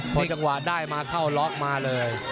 พอจังหวะได้มาเข้าล็อกมาเลย